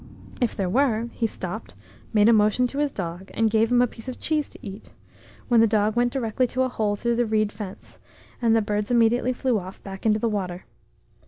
If there were, he stopped, made a motion to his dog, and gave him a piece of cheese to eat, when the dog went directly to a hole through the reed fence, and the birds immediately flew off the back into the water.